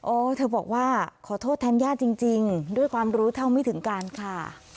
เธอบอกว่าขอโทษแทนญาติจริงด้วยความรู้เท่าไม่ถึงการค่ะ